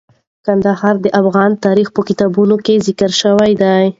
کندهار د افغان تاریخ په کتابونو کې ذکر شوی دی.